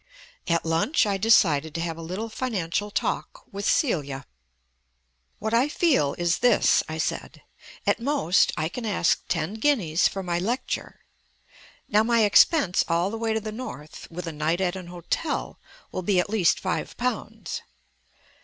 At lunch I decided to have a little financial talk with Celia. "What I feel is this," I said. "At most I can ask ten guineas for my lecture. Now my expense all the way to the North, with a night at an hotel, will be at least five pounds."